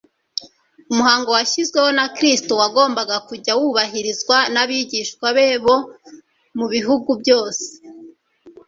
Umuhango washyizweho na Kristo wagombaga kujya wubahirizwa n'abigishwa be bo mu bihugu byose;